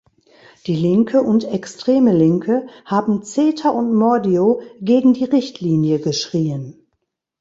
Die Linke und extreme Linke haben Zeter und Mordio gegen die Richtlinie geschrien.